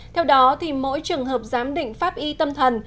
theo đó mỗi trường hợp giám định pháp y tâm thần